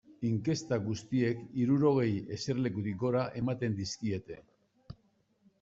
Inkesta guztiek hirurogei eserlekutik gora ematen dizkiete.